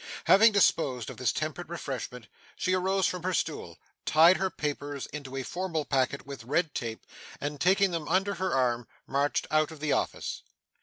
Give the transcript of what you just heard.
Having disposed of this temperate refreshment, she arose from her stool, tied her papers into a formal packet with red tape, and taking them under her arm, marched out of the office.